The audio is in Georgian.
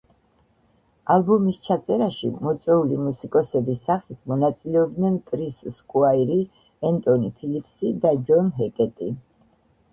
ალბომის ჩაწერაში მოწვეული მუსიკოსების სახით მონაწილეობდნენ კრის სკუაირი, ენტონი ფილიპსი და ჯონ ჰეკეტი.